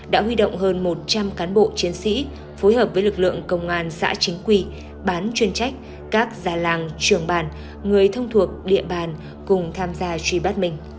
đã huy động hơn một trăm linh cán bộ chiến sĩ phối hợp với lực lượng công an xã chính quy bán chuyên trách các già làng trường bàn người thông thuộc địa bàn cùng tham gia truy bắt mình